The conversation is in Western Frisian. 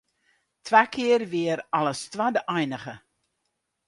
Twa kear wie er al as twadde einige.